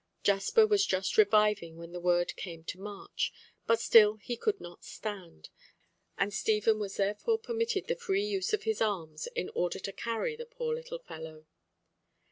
Jasper was just reviving when the word came to march, but still he could not stand, and Stephen was therefore permitted the free use of his arms, in order to carry the poor little fellow.